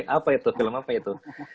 apa itu film apa itu